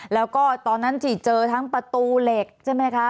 แล้วก็ตอนนั้นที่เจอทั้งประตูเหล็กใช่ไหมคะ